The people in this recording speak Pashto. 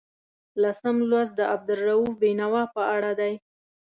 لسم لوست د عبدالرؤف بېنوا په اړه دی.